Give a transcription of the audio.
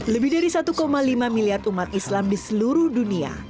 lebih dari satu lima miliar umat islam di seluruh dunia